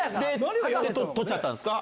取っちゃったんですか？